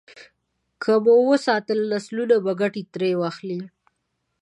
که مو وساتله، نسلونه به ګټه ترې واخلي.